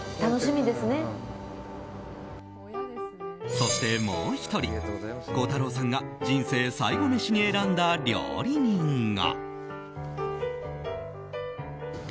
そしてもう１人、孝太郎さんが人生最後メシに選んだ料理人が。